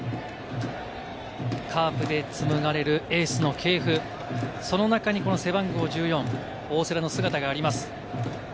カープで紡がれるエースの系譜、その中にこの背番号１４、大瀬良の姿があります。